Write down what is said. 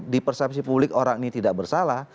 di persepsi publik orang ini tidak bersalah